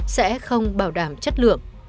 sẽ không bảo đảm chất lượng